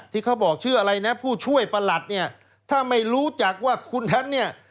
ที่เขาบอกชื่ออะไรนะผู้ช่วยประหลัดเนี่ยถ้าไม่รู้จักว่าคุณแทนเนี่ย